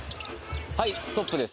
はい、ストップです。